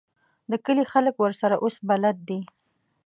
د کلي خلک ورسره اوس بلد دي.